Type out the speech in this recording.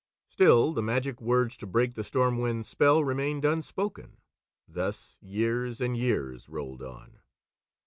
Still the magic words to break the Storm Wind's spell remained unspoken. Thus years and years rolled on.